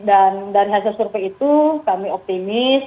dan dari hasil survei itu kami optimis